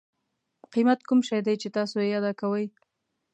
قیمت کوم شی دی چې تاسو یې ادا کوئ.